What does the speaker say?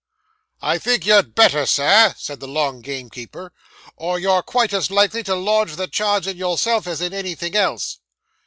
'I think you had better, sir,' said the long gamekeeper, 'or you're quite as likely to lodge the charge in yourself as in anything else.